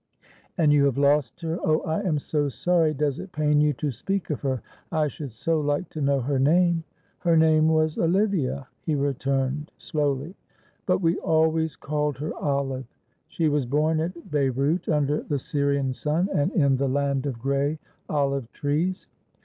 "And you have lost her! Oh, I am so sorry! Does it pain you to speak of her? I should so like to know her name!" "Her name was Olivia," he returned, slowly, "but we always called her Olive. She was born at Beyrout, under the Syrian sun, and in the land of grey olive trees."